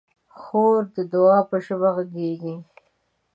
خور د دعا په ژبه غږېږي.